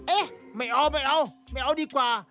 เอ๊ะไม่เอาไม่เอาดีกว่า